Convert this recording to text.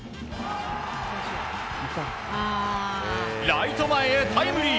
ライト前へタイムリー！